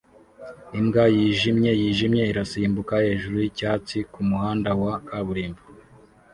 Imbwa yijimye yijimye irasimbuka hejuru yicyatsi kumuhanda wa kaburimbo